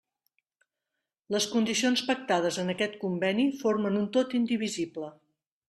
Les condicions pactades en aquest conveni formen un tot indivisible.